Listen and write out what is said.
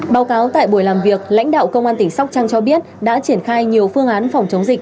báo cáo tại buổi làm việc lãnh đạo công an tỉnh sóc trăng cho biết đã triển khai nhiều phương án phòng chống dịch